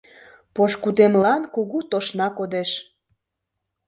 Пошкудемлан кугу тошна кодеш.